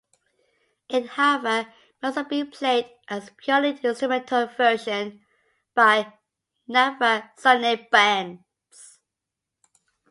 It however may also be played as purely instrumental version by naghra-sunay bands.